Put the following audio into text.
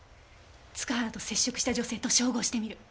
塚原と接触した女性と照合してみる。